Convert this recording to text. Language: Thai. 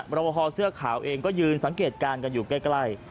ประพอเสื้อขาวเองก็ยืนสังเกตการณ์กันอยู่ใกล้